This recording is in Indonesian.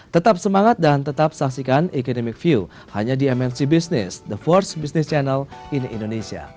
tetap semangat dan tetap saksikan economic view hanya di mnc business the force business channel in indonesia